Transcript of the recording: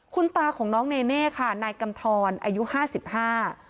คุณตาของน้องเนเน่ค่ะนายกำทรอายุห้าสิบห้า